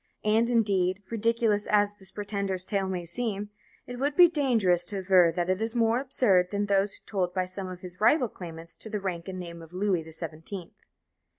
And, indeed, ridiculous as this pretender's tale may seem, it would be dangerous to aver that it is more absurd than those told by some of his rival claimants to the rank and name of "Louis the Seventeenth."